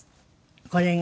これが？